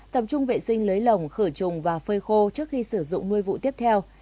tập trung vệ sinh lấy lồng khởi trùng và phơi khô trước khi sử dụng nuôi vụ tiếp theo